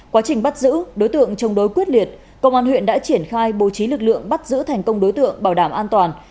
quá trình bắt giữ đối tượng chống đối quyết liệt công an huyện đã triển khai bố trí lực lượng bắt giữ thành công đối tượng bảo đảm an toàn